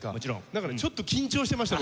だからちょっと緊張してました